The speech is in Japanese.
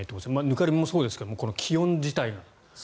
ぬかるみもそうですが気温自体も。